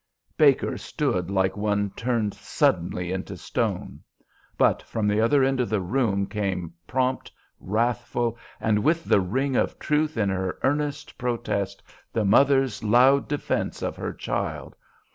Baker stood like one turned suddenly into stone. But from the other end of the room came prompt, wrathful, and with the ring of truth in her earnest protest, the mother's loud defence of her child.